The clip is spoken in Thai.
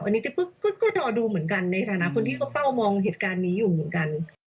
อันนี้ก็รอดูเหมือนกันในฐานะคนที่เขาเฝ้ามองเหตุการณ์นี้อยู่เหมือนกัน